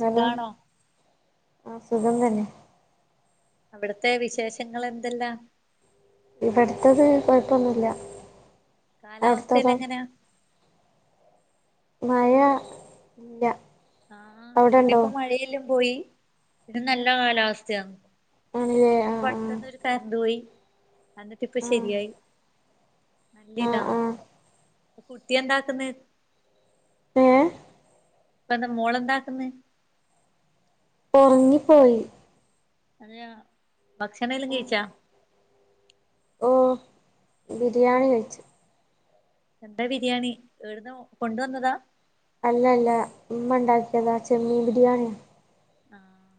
Hello സുഖാണോ ആഹ് സുഖം തന്നെ അവ്ട്ത്തെ വിശേഷങ്ങൾ എന്തെല്ലാം ഇവിടുത്തത് കൊഴപ്പൊന്നുല്ല കാലാവസ്ഥയിൽ അട്ത്തതോ എങ്ങനാ മഴ ഇല്ല ആഹ അവിടെണ്ടോ ഈടിപ്പം മഴയെല്ലാം പോയി ഇത് നല്ല കാലാവസ്ഥയാന്ന്. ആണല്ലേ ആ ഇപ്പം പെട്ടന്നൊരു കരണ്ട് പോയി അതൊക്കെപ്പോ ആ ശരിയായി ആ ആ ആ [unintelligible] കുട്ടി എന്താ ആക്കുന്നത് ഏ ഇപ്പൊ എന്താ മോള് എന്താക്കുന്നെ ഒറങ്ങിപ്പോയി അതെയാ ഭക്ഷണം എല്ലാം ആ കയിച്ചാ ഓ ബിരിയാണി കഴിച്ച് എന്താ ബിരിയാണി എവ്ട്ന്നാ കൊണ്ടുവന്നതാ അല്ല അല്ല ഇമ്മ ഇണ്ടാക്കിയതാ ചെമ്മീൻ ബിരിയാണ്യാ ആഹ്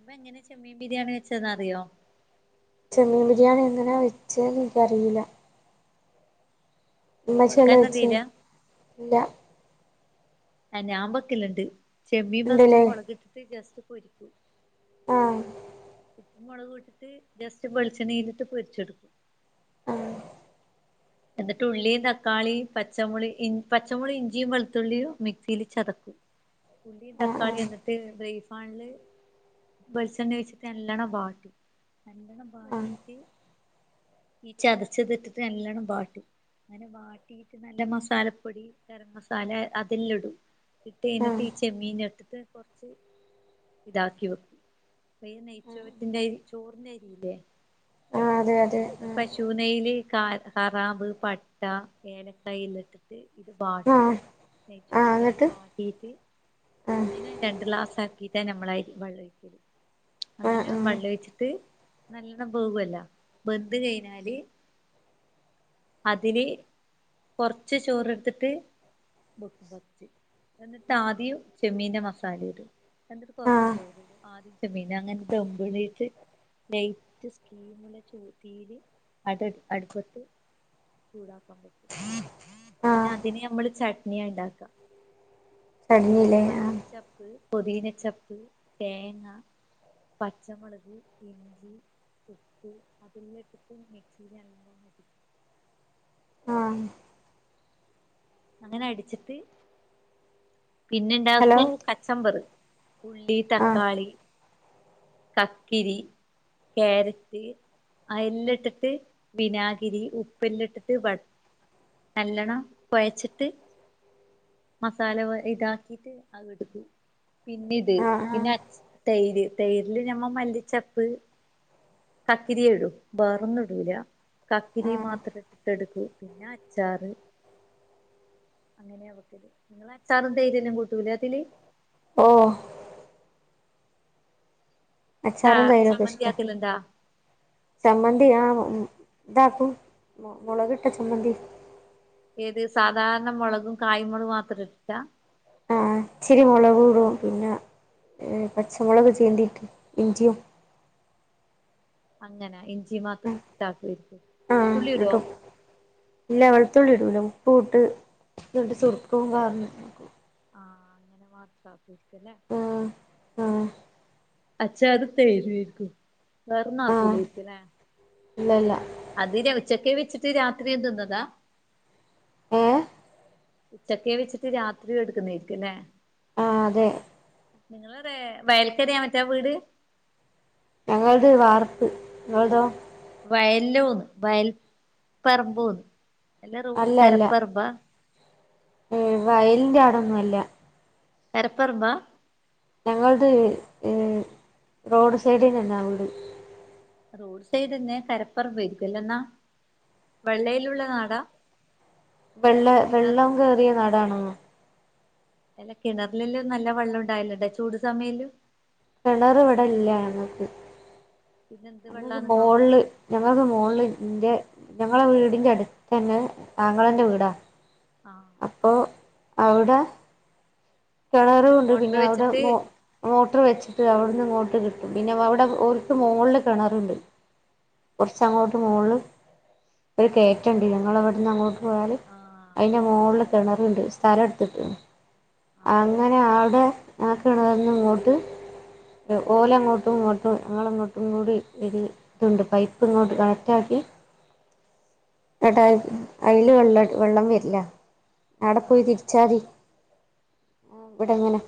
ഉമ്മ എങ്ങനെ ചെമ്മീൻ ബിരിയാണി വെച്ചേന്ന് അറിയോ ചെമ്മീൻ ബിരിയാണി എന്തിനാ വെച്ചേന്ന് എനിക്കറിയില്ല ഇമ്മച്ചി അല്ലേ വെക്കാൻ വെച്ച് അറിയില്ല ഇല്ല ഞാൻവെക്കലുണ്ട് ചെമ്മീൻ ഫസ്റ്റ് ഉണ്ടല്ലേ മുളകിട്ടിട്ട് ജസ്റ്റ് പൊരിക്കൂ ആഹ് ഉപ്പും മുളകും ഇട്ടിട്ട് ജസ്റ്റ് വെളിച്ചെണ്ണയിലിട്ട് പൊരിച്ചെടുക്കും ആ എന്നിട്ട് ഉള്ളിയും തക്കാളി പച്ചമുളി പച്ചമുള് ഇഞ്ചിയും വെളുത്തുള്ളിയും മിക്സിയിൽ ചതക്ക് പുള്ളീം ആ തക്കാളി ആ എന്ന്ട്ട് ബ്രൈസ് പാനില് വെളിച്ചെണ്ണ ഒഴിച്ചിട്ട നല്ലൊണം വാട്ടി നല്ലെണ്ണം ആ വാട്ടി ഈ ചതച്ചതിട്ടിട്ട് നല്ലോണം അങ്ങനെ വാട്ടിയിട്ട് നല്ല മസാലപ്പൊടി ഗരം മസാല അതിൽ ഇടും. ഇട്ട് ആ കഴഞ്ഞിട്ട് ചെമ്മീൻ ഇട്ടിട്ട് കൊറച്ച് ഇതാക്കി വെക്കും. ആ നെയ്ച്ചോറ്റന്റെ അരി ചോറിന്റെ അരി ഇല്ലേ ആഹ് അതെ അതെ ആ പശുനെയ്യില് കറാമ്പ് പട്ട ഏലക്കായ ഇല്ലിട്ട് ഇത് വാട്ടി ആ ആ നെയച്ചോറ്റത് എന്നിട്ട് വാട്ടീയിട്ട് ആ ഒന്നിന രണ്ട് ഗ്ലാസ് ആക്കിട്ട നമ്മള് വള്ളൊഴിക്കല് ആ അങ്ങനെ വള്ള ഒഴിച്ചിട്ട് നല്ലോണ്ണം പോകല്ലോ ബന്ത് കഴിഞ്ഞാല് അതിൽ കുറച്ച് ചോറെടുത്തിട്ട് [inaudible] എന്നിട്ട് ആദ്യം ചെമ്മീന്റെ മസാല ഇടും എന്നിട്ട് ആ കുറച്ച് ചോറ് ആ ഇടും ആദ്യം ചെമ്മീന അങ്ങനെമ്പളീട്ട് ലൈറ്റ് സ്കീമുള്ള തീരി അട അടുപ്പത്ത് ചൂടാക്കാൻ പറ്റും ആ പിന്നെ അതിന് നമ്മള് ചട്നിയാ ഉണ്ടാക്കാ, ചടഞ്ഞില്ലേ ആ മല്ലിച്ചാ പൊതിനാച്ചപ്പ്, തേങ്ങ, പച്ചമുളക് ഇഞ്ചി. ഉപ്പ് അതെല്ലാം ഇട്ട്ട്ട് മിക്സിയില് നല്ലോണം അടി ആ അങ്ങനെ അടച്ചിട്ട് പിന്നെ ഹലോ ഇണ്ടാക്കൂ കച്ചമ്പറ് ഉള്ളി ആ തക്കാളി കക്കിരി ക്യാരറ്റ് അതെല്ലാ ഇട്ടിട്ട്, വിനാഗിരി ഉപ്പ് എല്ലാ ഇട്ടിട്ട് വ നല്ലണ്ണം കൊഴച്ചിട്ട് മസാല [unintelligible] ഇതാക്കിട്ട് അത് എടുക്കു പിന്നെ ഇത് ആ ആ പിന്നെ തൈര് തൈര് ഇല് ഞമ്മള് മല്ലിച്ചപ്പ്, കക്കിരി ഇടൂ വേറൊന്നും ഇടൂല, കത്തിരി ആ മാത്രം എടുത്തെടുക്കൂ പിന്നെ അച്ചാറ് [unintelligible] ഓ ച അച്ചാറും തൈരൊക്കെ ഇഷ്ട ചമ്മന്തി ആക്കലുണ്ടാ ചമ്മന്തി ആ ഇതാക്കും മുളകിട്ട ചമ്മന്തി ഏത് സാധാരണ മുളകും കായ്മുളക് മാത്രം ഇട്ട് ട്ടാ ആ ഇച്ചിരി മുളകും ഇടും പിന്നെ പച്ചമുളക് ചേന്തിട്ട് ഇഞ്ചിയും അങ്ങനാ ഇഞ്ചി മാത്രം [unintelligible] ആ വെളുത്തുള്ളി ഇടുവോ എന്നിട്ട് ഇല്ല വെളുത്തുള്ളി ഇടൂല ഉപ്പു ‌ ഇട്ട് [unintelligible] ആഹ് അങ്ങനെ വത്തപ്പരിക്കല്ലേ ആ ആ അഛ അത് തേരുരിക്കും വേറെന്നും ആക്കൂലെരിക്കലേ ഇല്ലല്ല അത് ഉച്ചക്കെ വെച്ചിട്ട് രാത്രി തിന്നതാ ഏ ഉച്ചക്കെ വെച്ചിട്ട് രാത്രില് എടുക്കുന്നേരിക്കല്ലേ ആഹ് അതെ നിങ്ങളുടെ വയൽക്കരയാ മറ്റേ വീട്. ഞങ്ങളത് വാർത് നിങ്ങളതൊ [unintelligible] ഉം വയലിൻ്റെ അവിടൊന്നുമല്ല കരപ്പറമ്പ ഞങ്ങളുടെ റോഡ് സൈഡി തന്നാ ഇവിടെ റോസ്റ്റ് ചെയ്ത് തിന്ന കരപ്പറമ്പേക്കല്ലോ ന്നാ വെള്ളയിലുള്ള നാടാ വെള്ള കിണർ വെള്ളം കേറിയ നടാണോ അല്ല കിണറിലിലും നല്ല വെള്ളം ഉണ്ടായില്ലണ്ടാ ചൂട് സമയയിലും കെണർ ഇവിടല്ല ഞങ്ങൾക്ക് പിന്നെ എന്ത് ങ്ങക്ക് വെള്ളാന്നോ മോളില് ഞങ്ങൾക്ക് മോലിന്റെ ഞങ്ങളെ വീടിന്റെറെ അടുത്ത് തന്നെ ആങ്ങളൻ്റെ വീടാ ആഹ പ്പോ അവിടെ [unintelligible] മോട്ടർ പിന്നെ അവിടെ വെച്ചിട്ട് മോ മോട്ടർ വെച്ചിട്ട് അവിടുന്ന് ഇങ്ങോട്ട് കിട്ടും പിന്നെ അവിടെ ഒരുക്ക് മോളില് കിണറുണ്ട് കുറച്ച്ങ്ങോട്ട് മുകളിൽ ഒരു കയറ്റുണ്ട് ഞങ്ങളൾ അവിടുന്ന് അങ്ങോട്ട് പോയാൽ ആഹ അയിന്റെ മോളില് കിണറുണ്ട് സ്ഥലം എടുത്തിട്ട് ആഹ് അങ്ങനെ ഞൾക്കിണ വന്ന് ഇങ്ങോട്ട് ഓല അങ്ങോട്ടും ഇങ്ങോട്ടും ഞങ്ങളങ്ങോട്ടും കൂടി ഇ ഇതുണ്ട് പൈപ്പ് ഇങ്ങോട്ട് കണക്റ്റ് ആക്കി. കേട്ടാ അയ്ൽ വെള്ള വെള്ളം വരില്ല അടെ പോയി ആഹ് തിരിച്ചാതി ഇവിടെങ്ങനെ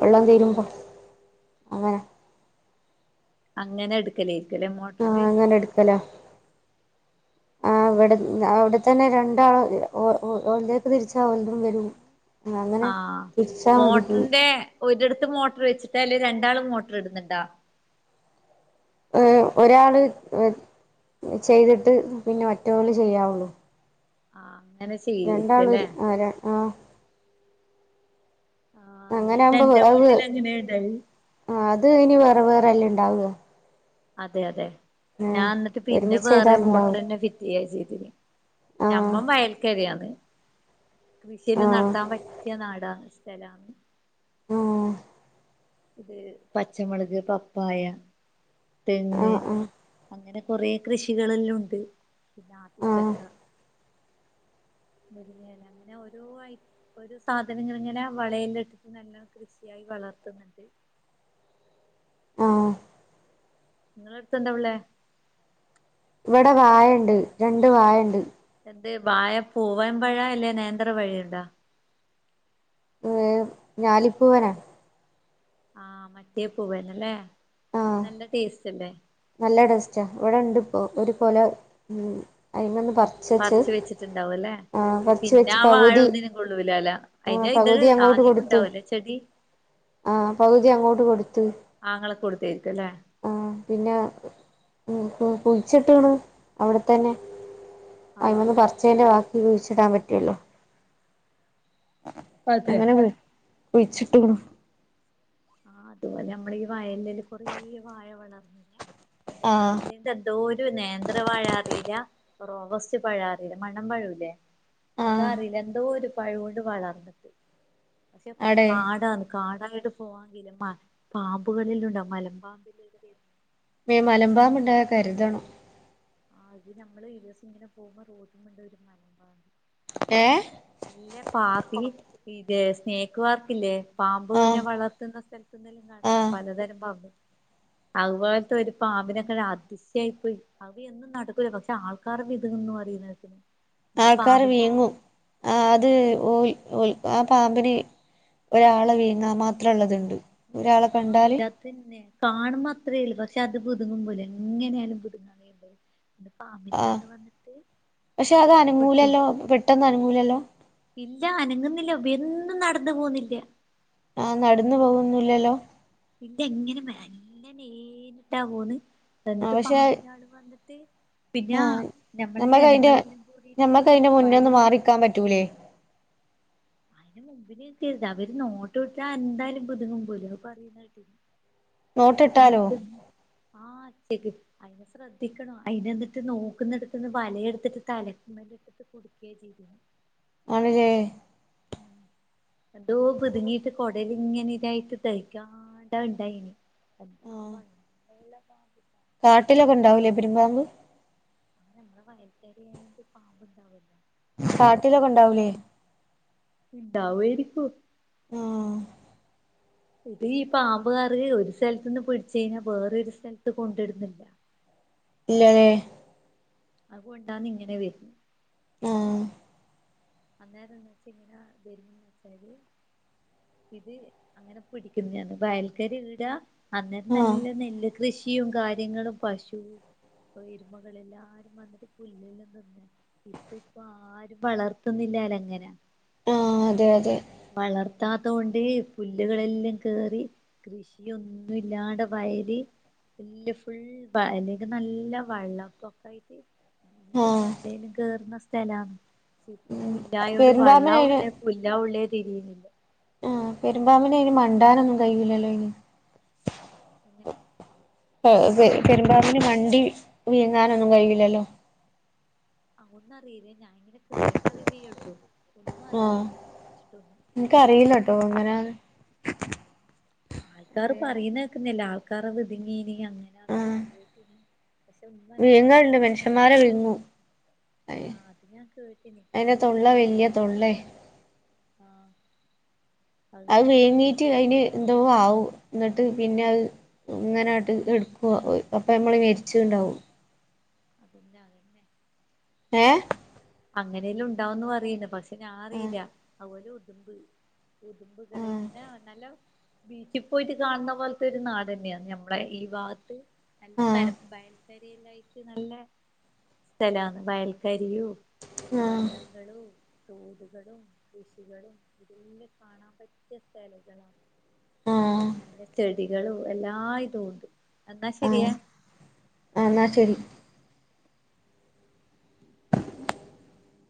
വെള്ളം ആഹ് തീരുമ്പം അങ്ങനെ അങ്ങനെ എടുക്കും [unintelligible] ആഹ് അങ്ങനെടുക്കലോ [inaudible] ആ അവിടെ അവിടെത്തന്നെ രണ്ടാളും ഓലേക്ക് തിരിച്ചാ അവലതും വരും അങ്ങനെ ആ തിരിച്ചാ മതി മോട്ടറിന്റെ ഒരിടത്ത് മോട്ടർ വെച്ചിട്ടല് രണ്ടാള് മോട്ടർ ഇടുന്നുണ്ടോ. ഒരാള് ചെയ്തിട്ട്, പിന്നെ മറ്റവള് ചെയ്യാവുള്ളൂ ആഹ് [unintelligible] രണ്ടാളും അല്ലേ ഇല്ല ആരാ ആഹ്. ആ എന്റെ വീട്ടിൽ എങ്ങനെയുണ്ടായി ആ അത് ഇനി വേറെ വേറെല്ലാം ഉണ്ടാവ അതെ അതെ ഞാൻ എന്നിട്ട് പിന്നെ ഒരുമിച്ച് വേറെ ചെയ്താൽ ഉണ്ടാവില്ല മോട്ടർന്നെ വി തി ആഹ് ചെയ്തിനി ആ ഞമ്മ വയൽക്കരന്ന് ആ കൃഷിയെല്ലാം നടത്താൻ പറ്റിയ നാടാണ് സ്ഥലാ ഓ ഇത് പച്ചമുളക് പപ്പായ ആ തെങ്ങ് ആ അങ്ങനെ കൊറേ കൃഷികളെല്ലാം ഉണ്ട് പിന്നെ ആ ആത്തിച്ചക്ക മുരിങ്ങയില അങ്ങനെ ഓരോ ഒരു സാധനങ്ങൾ ഇങ്ങനെ [unintelligible] നല്ല കൃഷിയായി വളർത്തുന്നു [unintelligible] ആഹ് [unintelligible] ഇവിടെ വായണ്ട് രണ്ട് വായ ഉണ്ട് എന്ത് വാഴ പൂവൻ പഴാ അല്ലേ നേന്ത്ര പഴണ്ടാ ഏ ഞാലിപ്പൂവന ആ മറ്റേ പൂവന്നല്ലേ ആ നല്ല ടേസ്റ്റ് അല്ലേ നല്ല ടേസ്റ്റാ, ഇവിടെ ഉണ്ട് ഇപ്പോ ഒരുകുല ഉ അയിമന്ന് പറ പറിച്ച് വെച്ചിട്ടുണ്ടാവും അല്ലേ, പറിച്ച് പിന്നെ വെച്ച് ആ വാഴ പകുതി ഒന്നിനും കൊള്ളൂല അല്ലെ. ആഹ് അയ്ന്റെ ഇത് പകുതി ആദ്യം ഉണ്ടാവില്ലേ ചെടി ആഹ പകുതി അങ്ങോട്ട് കൊടുത്ത് ആങ്ങളൊക്ക കൊടുത്തേരിക്ക അല്ലേ ആഹ് പിന്നെ കുഴിച്ചിട്ടാ. ണ് അവിടെത്തന്നെ ആഹ് അയിമേന്ന് പറിച്ചേന്റെ ബാക്കി കഴിച്ചിടാൻ പറ്റുവേ ഉളളു അതെ അങ്ങനെ കുഴിച്ചിട്ട്കുണു ആഹ് അതുപോലെ നമ്മളെ ഈ വയലില് കൊറേ വാഴ വളർന്നുന്നെ ആഹ് എന്നിട്ടവര് തെന്തോരു നേന്ത്ര വാഴാറീല റോവസ്റ്റ് പഴാറീല മണം വരൂലേ ആഹ് അതറിയില്ല എന്തോ ഒരു പഴുകൊണ്ട് വളർന്നിട്ട് പക്ഷെ ആടെ കാടാണ് കാടായിട്ട് പോവാങ്കിലും പാമ്പുകളില് ഉണ്ടോ മലമ്പാമ്പ് മേ മലമ്പാമ്പ് ഉണ്ടായ കരുതണം അത് നമ്മള് ഒരിസം ഇങ്ങനെ പോകുമ്പോ റോട്ട്മ്മണ്ടൊരു മലമ്പാമ്പ് ഏഹ് നല്ല പാത്തി ഇത് സ്നേക്ക് പാർക്കി ല്ലേ പാമ്പുവിനെ ആഹ് വളർത്തുന്ന സ്ഥ പുന്നലും കാണല്ലേ ആഹ് പലതരം പാമ്പ്‌ അതുപോലത്തെ ഒരു പാമ്പിനൊക്കെ അതിശയായി പോയി അവ എന്നും നടക്കൂല പക്ഷെ ആൾക്കാർ ഇതന്നുവരീണേക്ക്ണ് ആൾക്കാർ വീങ്ങും ആഹ് അത് ഓൽ ഓൽ ആഹ് പാമ്പനെ ഒരാളെ വീഴുങ്ങാ മാത്രം ഉള്ളത്ണ്ട് ആഹ് അതന്നെ കാണുമ്പൊ അത്രേ ഉള്ളൂ പക്ഷെ അത് പുതുങ്ങും പോല എങ്ങനെയായാലും പുതുങ്ങാൻ ഇത് പാമ്പിന്റെ ആഹ് ആള് വന്നിട്ട് പക്ഷെ അത് അനങ്ങുലല്ലോ പെട്ടെന്ന് അനങ്ങുലല്ലോ? ഇല്ലാ അനങ്ങുന്നില്ലാ വെന്ന് നടന്നു പോകുന്നില്ല ആഹ് നടന്ന് പോകൊന്നില്ലല്ലോ? ഇജ്ജെങ്ങനെ [inaudible] പോന്ന് ആ എന്നിട്ട് പക്ഷെ പാമ്പിന്റെ ആള് വന്നിട്ട് പിന്നാ ആ നമ്മള് നമ്മക്ക് അയിന്റെ ജനങ്ങളെല്ലാം കൂടീട്ട് ഞമ്മക്ക് അയിന്റെ മുന്നേന്ന് വലയില് മാറിക്കാൻ കുടുക്കി പറ്റൂലേ അന് മുമ്പിൽ ഇരിക്കരുത് അവര് നോട്ടം ഇട്ടാ എന്താലും [inaudible] നോട്ടിട്ടാലോ അടുത്ത് [unintelligible] അത് ശ്രദ്ധിക്കണോ അയ്ന്റെന്നിട്ട് നോക്കുന്നിടുത്ത്ന്ന് വലയെടുത്തിട്ട് തലക്കു [inaudible] ത് കൊടുക്കേ ചീത് ആണ്ലെ. എന്തോ കുതുങ്ങിയിട്ട് കുടലിങ്ങനെ ഇതായിട്ട് തയ്ക്കാടാ ഉണ്ടായിനി ആഹ് [unintelligible] കാട്ടിലൊക്കെ ഉണ്ടാവൂല്ലേ പെരുമ്പാമ്പ് നമ്മടെ വയൽത്തറി ആയോണ്ട് പാമ്പ്ണ്ടാവൂല്ല കാട്ടിലൊക്കെ ഉണ്ടാവൂലേ [unintelligible] ഇണ്ടാവെരിക്കും ആഹ് ഇത് ഈ പാമ്പ് റേ ഒരു സ്ഥലത്ത്ന്ന് പിടിച്ച കഴിഞ്ഞ വേറെ ഒരു സ്ഥലത്ത് കൊണ്ടിടുന്നുണ്ട് ഇല്ലലേ അത്കൊണ്ടാന്ന് ഇങ്ങനെ വരു ആഹ് അന്നേരം ന്ന്ച്ച്ങ്ങനാ വരുന്നെച് ഇത് അങ്ങനെ പിടിക്കുന്നാണ് പ അയൽക്കാര് ഇല്ലാ അന്നേരം ആ നല്ല നെല്ല് കൃഷി ച്ചിയും കാര്യങ്ങളും പശു എരുമകളും എല്ലാരും വന്നിട്ട് പുല്ലെ ല്ലാം തിന്ന് ഇപ്പ ഇപ്പൊ ആരും വളർത്തുന്നില്ലാല്ലോ അങ്ങനെ ആഹ് അതെ അതെ വളർത്താത്തോണ്ട് പുല്ലുകളെല്ലാം കേറി കൃഷിയൊന്നുല്ലാണ്ട് വയല് വല്യ ഫുൾ അയ്നേക്ക് നല്ല വെള്ളപ്പൊക്കെ ആയിട്ട് [unintelligible] ആഹ് വെള്ളല്ലാകേറുന്ന സ്ഥലാണ് ഇപ്പൊ ഉം പുല്ലായോണ്ട് പെരുമ്പാമ്പിനയിന് വെള്ളവുംല്ല. [unintelligible] ആഹ് പെരുമ്പാമ്പിന് അയ്ന് മണ്ടാനൊന്നും കഴിയില്ലല്ലോ അയ്ന് [inaudible] ഏഹ് പെ പെരുമ്പാവിന് വണ്ടി വിഴുങ്ങാനൊന്നും കഴിയില്ലല്ലോ? അതൊന്നു അറിയില്ല ഞാന് ഇങ്ങനെ കേട്ടറിവേ ഒള്ളൂ ഒന്നും അറിയില്ല അയ്നെ പറ്റിയിട്ടൊന്നും ഇൻക്കറീലട്ടോ അങ്ങനെ ആൾക്കാറ് പറയുന്നേക്കുന്നില്ല ആൾക്കാറ്ത് വിതുങ്ങീന അങ്ങനെയന്നല്ല ആഹ് കേട്ടീനി പക്ഷെ ഒന്നും എനക്ക് വിഴുങ്ങല്ണ്ട് മനുഷ്യന്മാരെ അതിനെക്കിച്ചറി വിഴുങ്ങും [unintelligible] അയ് ആഹ് അത് ഞാൻ കേട്ടിനി അയിന്റെ കൊറേ തൊള്ള വല്യ ഫോട്ടോസ് തൊള്ളേ ആഹ് അത് അഹ് പിന്നെ വിഴുങ്ങീട്ട് അറിഞ്ഞിട്ടുള്ളു അയ്ന് എന്തോ ആവും ന്നിട്ട് പിന്നെ അഹ് ഇങ്ങനായിട്ട് എടുക്കു അപ്പ നമ്മള് മരിച്ചുണ്ടാവും. [inaudible] ഏഹ് അങ്ങനെല്ലും ഉണ്ടാവുന്ന് പറയുന്ന പക്ഷെ ആഹ് ഞാൻറിയില്ല തുമ്പ് ഉതമ്പുകളെ ആഹ് ഇങ്ങന നല്ലോ ബീച്ചിൽ പോയിട്ട് കാണുന്ന പോലത്തെ ഒരു നാട് തന്നെയാണ് ഞമ്മടെ ഈ ഭാഅത്ത് നല്ല ആഹ് പരപ്പായിട്ട് [inaudible] നല്ല സ്ഥലാണ് വയൽക്കരിയും ആഹ് വള്ളങ്ങളു തോടുകളും കൃഷികളും ഇതല്ലാം കാണാൻ പറ്റിയ സ്ഥലങ്ങളാണ് ആഹ് എല്ല ചെടികളും എല്ലാ ഇതും ഉണ്ട് എന്നാ ശരിയേ? അ എന്നാ ശരി